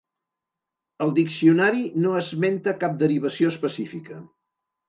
El diccionari no esmenta cap derivació específica.